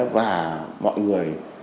và mọi người